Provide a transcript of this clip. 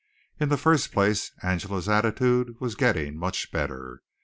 In the first place Angela's attitude was getting much better.